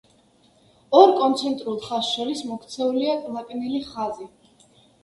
ორ კონცენტრულ ხაზს შორის მოქცეულია კლაკნილი ხაზი.